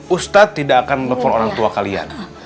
ustadz tidak akan menelpon orang tua kalian